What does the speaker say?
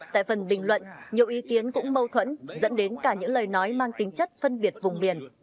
tại phần bình luận nhiều ý kiến cũng mâu thuẫn dẫn đến cả những lời nói mang tính chất phân biệt vùng biển